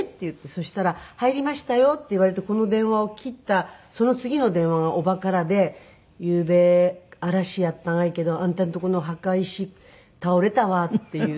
そしたら「入りましたよ」って言われてこの電話を切ったその次の電話がおばからで「ゆうべ嵐やったんやけどあんたのとこの墓石倒れたわ」っていう。